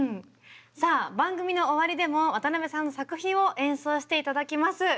さあ番組の終わりでも渡辺さんの作品を演奏して頂きます。